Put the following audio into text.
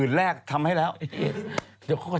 จากกระแสของละครกรุเปสันนิวาสนะฮะ